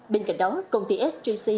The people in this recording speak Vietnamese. bên cạnh đó công ty sgc